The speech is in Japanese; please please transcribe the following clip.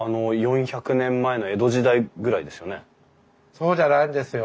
そうじゃないんですよ。